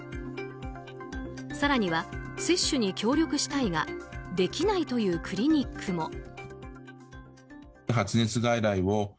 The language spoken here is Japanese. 更には、接種に協力したいができないというクリニックも。